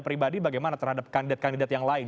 pribadi bagaimana terhadap kandidat kandidat yang lain